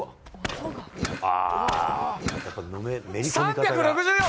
３６４！